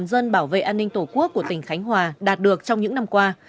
đạt được trong những năm qua